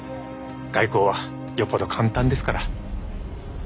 外交はよっぽど簡単ですから。